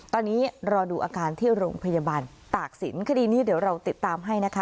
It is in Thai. ตอนนี้รอดูอาการที่โรงพยาบาลตากศิลปคดีนี้เดี๋ยวเราติดตามให้นะคะ